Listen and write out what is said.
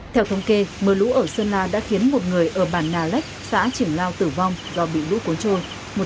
theo thống kê mưa lũ ở sơn la đã khiến một người ở bản nà lách xã triển lao tử vong do bị lũ cuốn trôi